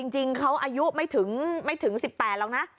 จริงเขาอายุไม่ถึง๑๘หรอกนะ